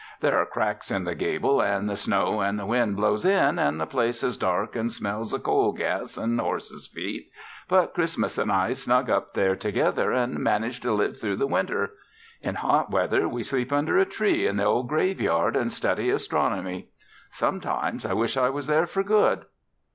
There are cracks in the gable, an' the snow an' the wind blows in, an' the place is dark an' smells o' coal gas an' horses' feet, but Christmas an' I snug up together an' manage to live through the winter. In hot weather, we sleep under a tree in the ol' graveyard an' study astronomy. Sometimes, I wish I was there for good."